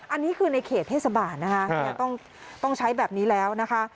อันนี้คือในเขตเทศบาลนะคะต้องใช้แบบนี้แล้วนะคะ